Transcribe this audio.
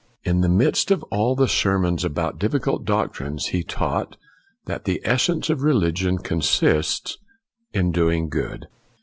" In the midst of all the sermons about difficult doctrines, he taught that the essence of religion consists in doing good.